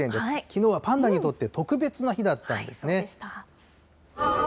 きのうはパンダにとって特別な日だったんですね。